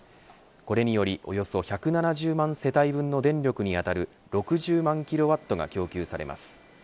これにより、およそ１７０万世帯分の電力にあたる６０万キロワットが供給されます。